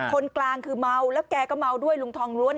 คนกลางคือเมาแล้วแกก็เมาด้วยลุงทองล้วน